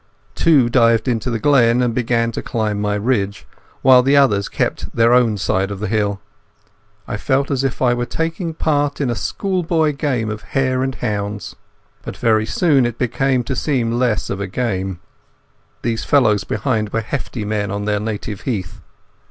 Two dived into the glen and began to climb my ridge, while the others kept their own side of the hill. I felt as if I were taking part in a schoolboy game of hare and hounds. But very soon it began to seem less of a game. Those fellows behind were hefty men on their native heath.